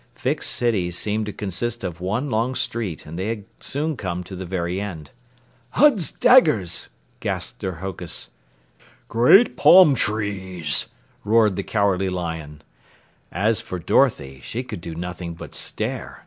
Fix City seemed to consist of one long street, and they had soon come to the very end. "Uds daggers!" gasped Sir Hokus. "Great palm trees," roared the Cowardly Lion. As for Dorothy, she could do nothing but stare.